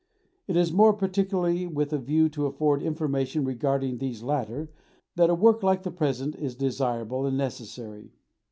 It is more particularly with a view to afford information regarding these latter that a work like the present is desirable and necessary.